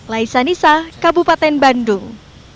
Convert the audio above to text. laisa nisa kabupaten bandung